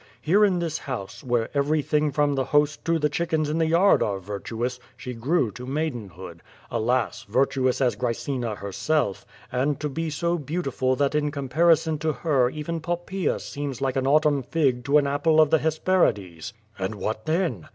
Here in this house, where everything from the host to the chickens 4n the yard are virtuous, she grew to maidenhood — ^alas, virtuous as Graecina herself, and to be so beautiful that in compari son to her even Poppaea seems like an autumn fig to an apple of the Hesperides.^' "And what then?''